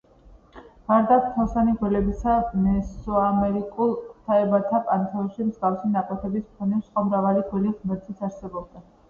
გარდა ფრთოსანი გველებისა, მესოამერიკულ ღვთაებათა პანთეონში მსგავსი ნაკვთების მქონე სხვა მრავალი გველი ღმერთიც არსებობდა.